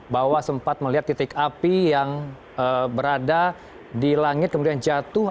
bahwa sempat melihat titik api yang berada di langit kemudian jatuh